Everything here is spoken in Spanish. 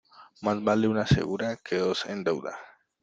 Más vale una segura que dos en duda.